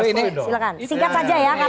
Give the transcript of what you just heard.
silahkan singkat saja ya